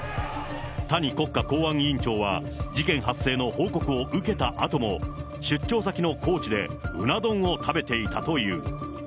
谷国家公安委員長は、事件発生の報告を受けたあとも、出張先の高知でうな丼を食べていたという。